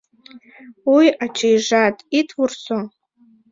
Ой, ачийжат, ит вурсо